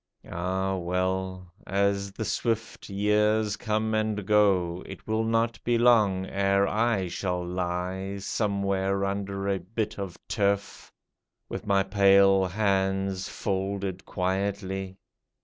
Ah, well ! As the swift years come and go, It will not be long ere I shall lie Somewhere under a bit of turf, With my pale hands folded quietly.